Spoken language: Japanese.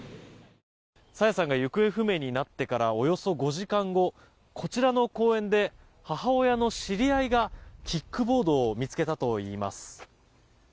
朝芽さんが行方不明になってからおよそ５時間後こちらの公園で母親の知り合いがキックボードを見つけたといいます。